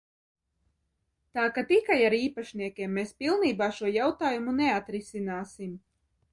Tā ka tikai ar īpašniekiem mēs pilnībā šo jautājumu neatrisināsim.